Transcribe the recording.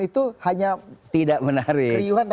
itu hanya kriyuhan